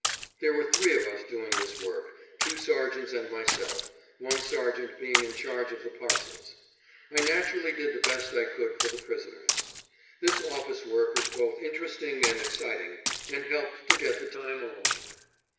There were three of us doing this work two sergeants and myself, one sergeant being in charge of the parcels. I naturally did the best I could for the prisoners. This office work was both interesting and exciting, and helped to get the time along.